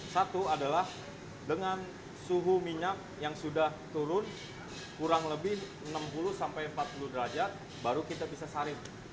satu adalah dengan suhu minyak yang sudah turun kurang lebih enam puluh sampai empat puluh derajat baru kita bisa sarip